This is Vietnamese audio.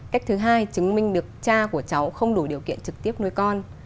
cách thứ hai chứng minh được cha của cháu không đủ điều kiện trực tiếp nuôi con